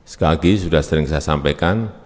sekali lagi sudah sering saya sampaikan